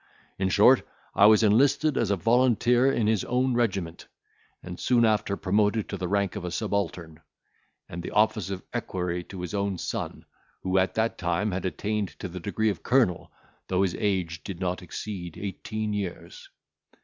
In short, I was enlisted as a volunteer in his own regiment, and soon after promoted to the rank of a subaltern, and the office of equerry to his own son, who, at that time, had attained to the degree of colonel, though his age did not exceed eighteen years.